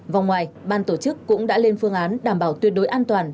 vòng ngoài ban tổ chức cũng đã lên phương án đảm bảo tuyệt đối an toàn